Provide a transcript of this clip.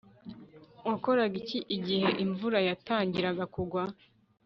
Wakoraga iki igihe imvura yatangiraga kugwa